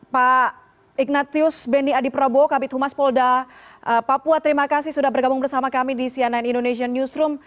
pak ignatius bendi adiprabo kabupaten humas polda papua terima kasih sudah bergabung bersama kami di sianan indonesian newsroom